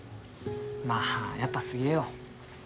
まあやっぱすげえよ。